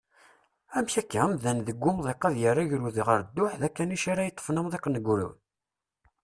Amek akka amdan deg umḍiq ad yerr agrud ɣer dduḥ, d akanic ara yeṭṭfen amḍiq n ugrud?